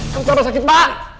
kamu tahu apa sakit pak